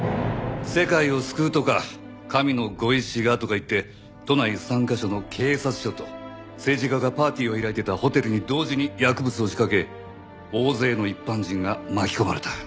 「世界を救う」とか「神のご意志が」とかいって都内３カ所の警察署と政治家がパーティーを開いてたホテルに同時に薬物を仕掛け大勢の一般人が巻き込まれた。